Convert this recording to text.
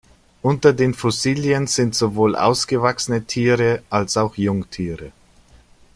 Unter den Fossilien sind sowohl ausgewachsene Tiere als auch Jungtiere.